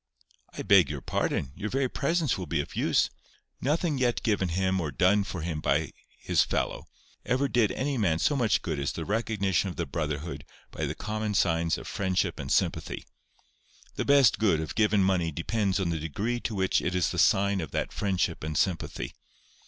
"I beg your pardon. Your very presence will be of use. Nothing yet given him or done for him by his fellow, ever did any man so much good as the recognition of the brotherhood by the common signs of friendship and sympathy. The best good of given money depends on the degree to which it is the sign of that friendship and sympathy.